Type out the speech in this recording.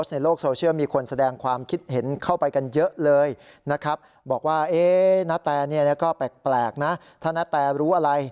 นี่ก็แปลกนะถ้านาแต่รู้อะไร